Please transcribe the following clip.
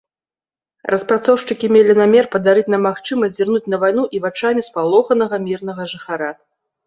Распрацоўшчыкі мелі намер падарыць нам магчымасць зірнуць на вайну і вачамі спалоханага мірнага жыхара.